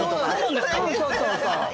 そうそうそう。